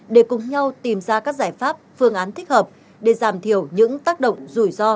để cùng nhau tìm ra các giải pháp phương án thích hợp để giảm thiểu những tác động rủi ro